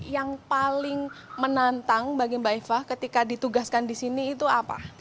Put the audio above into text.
yang paling menantang bagi mbak eva ketika ditugaskan di sini itu apa